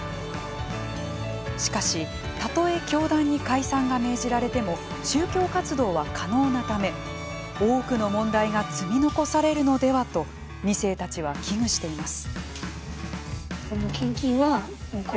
しかし、たとえ教団に解散が命じられても宗教活動は可能なため多くの問題が積み残されるのではと２世たちは危惧しています。